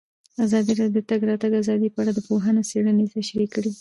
ازادي راډیو د د تګ راتګ ازادي په اړه د پوهانو څېړنې تشریح کړې.